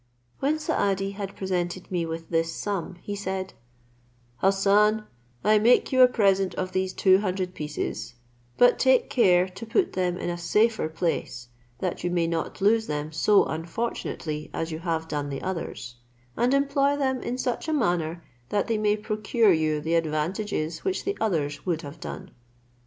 When Saadi had presented me with this sum, he said, "Hassan, I make you a present of these two hundred pieces; but take care to put them in a safer place, that you may not lose them so unfortunately as you have done the others, and employ them in such a manner that they may procure you the advantages which the others would have done."